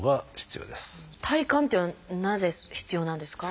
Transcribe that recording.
体幹っていうのはなぜ必要なんですか？